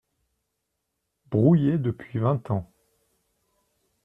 Brouillés depuis vingt ans.